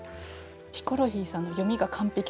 ヒコロヒーさんの読みが完璧すぎて。